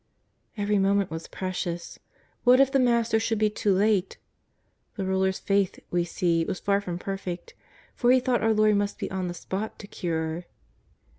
Every moment was precious. What if the Master should be too late ! The ruler's faith, we see, was far from perfect, for he thought our Lord must be on the spot to cure.